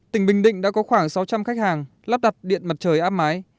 tỉnh bình định đã có khoảng sáu trăm linh khách hàng lắp đặt điện mặt trời áp mái